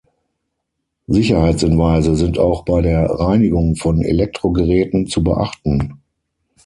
Sicherheitshinweise sind auch bei der Reinigung von Elektrogeräten zu beachten.